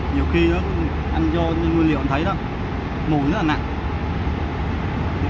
nhiều khi anh cho nguyên liệu anh thấy đó mùi rất là nặng